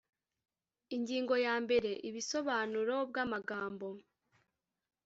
Ingingo yambere Ibisobanuro bw amagambo